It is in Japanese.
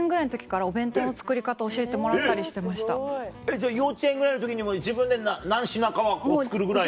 じゃあ幼稚園ぐらいの時にもう自分で何品かは作るぐらいの。